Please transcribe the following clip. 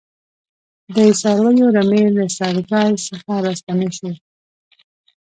د څارویو رمې له څړځای څخه راستنې شوې.